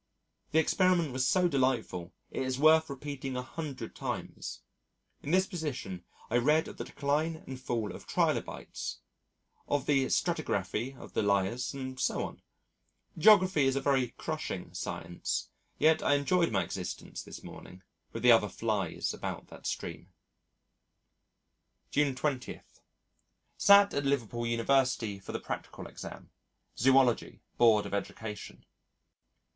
The experiment was so delightful it is worth repeating a hundred times. In this position I read of the decline and fall of Trilobites, of the Stratigraphy of the Lias and so on. Geology is a very crushing science, yet I enjoyed my existence this morning with the other flies about that stream. June 20. Sat at Liverpool University for the practical exam. Zoology, Board of Education.